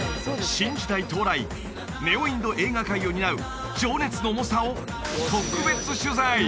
ネオ・インド映画界を担う情熱の猛者を特別取材！